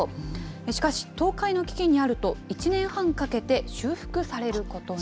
しかし、倒壊の危機にあると、１年半かけて修復されることに。